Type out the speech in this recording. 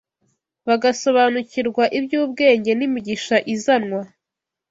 bagasobanukirwa iby’ubwenge n’imigisha izanwa